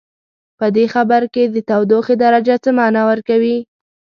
په دې خبر کې د تودوخې درجه څه معنا ورکوي؟